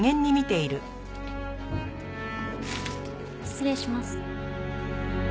失礼します。